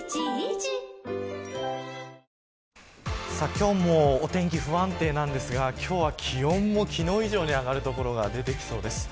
今日もお天気不安定なんですが今日は気温も昨日以上に上がる所が出てきそうです。